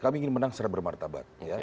kami ingin menang secara bermartabat